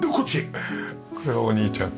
これはお兄ちゃんが。